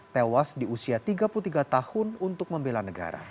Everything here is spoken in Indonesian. tewas di usia tiga puluh tiga tahun untuk membela negara